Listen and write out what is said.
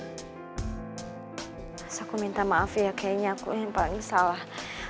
terus aku minta maaf ya kayaknya aku yang paling salah